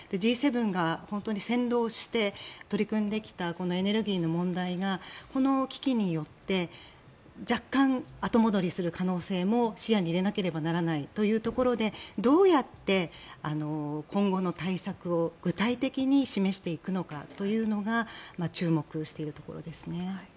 Ｇ７が本当に先導して取り組んできたエネルギーの問題がこの危機によって若干、後戻りする可能性も視野に入れなければならないというところでどうやって今後の対策を具体的に示していくのかというのが注目しているところですね。